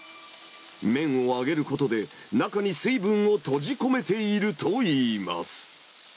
麺を揚げることで、中に水分を閉じ込めているといいます。